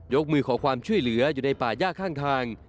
มือขอความช่วยเหลืออยู่ในป่าย่าข้างทาง